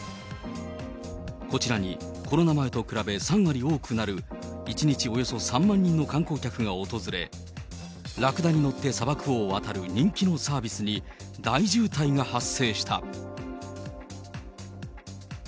こちらに、コロナ前と比べ３割多くなる１日およそ３万人の観光客が訪れ、ラクダに乗って砂漠を渡る人気のサービスに大渋滞が発生した。